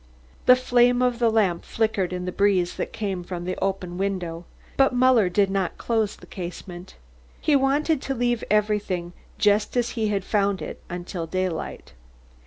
The flame of the lamp flickered in the breeze that came from the open window. But Muller did not close the casement. He wanted to leave everything just as he had found it until daylight.